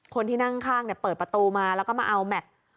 คนที่นั่งข้างเนี้ยเปิดประตูมาแล้วก็มาเอาแมค